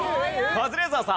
カズレーザーさん。